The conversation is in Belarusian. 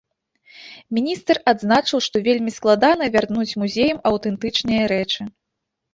Міністр адзначыў, што вельмі складана вярнуць музеям аўтэнтычныя рэчы.